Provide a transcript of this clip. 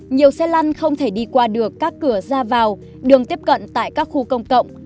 nhiều xe lăn không thể đi qua được các cửa ra vào đường tiếp cận tại các khu công cộng